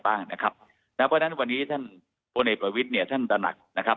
เพราะฉะนั้นวันนี้ผู้นายประวิทย์ตั้งครับ